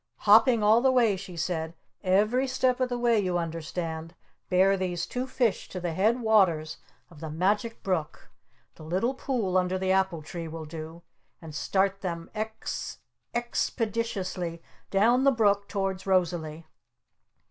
"Hopping all the way," she said. "Every step of the way, you understand, bear these two fish to the Head Waters of the Magic Brook, the little pool under the apple tree will do, and start them ex ex peditiously down the Brook towards Rosalee!"